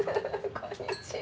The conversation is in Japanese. こんにちは